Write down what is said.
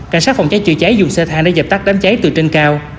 cảnh sát phòng cháy chữa cháy dùng xe thang để dập tắt đám cháy từ trên cao